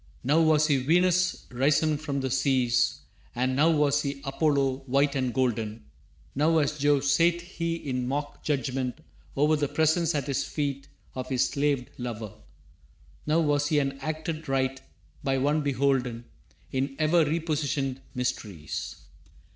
Now was he Venus, risen from the seas; And now was he Apollo, white and golden; Now as Jove sate he in mock judgment over The presence at his feet of his slaved lover; Now was he an acted rite, by one beholden, In ever repositioned mysteries.